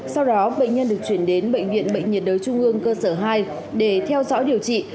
sau đó bệnh nhân được chuyển đến bệnh viện bệnh nhiệt đới trung ương cơ sở hai để theo dõi điều trị